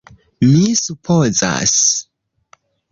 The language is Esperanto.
Mi supozas.